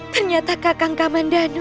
ternyata kakang kaman danu